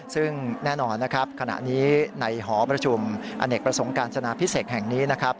ซึ่งแน่นอนนะครับขณะนี้ในหอประชุมอเนกประสงค์การจนาพิเศษแห่งนี้นะครับ